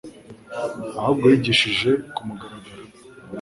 ahubwo yigishijwe ku mugaragaro.